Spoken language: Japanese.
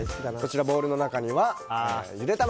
ボウルの中にはゆで卵。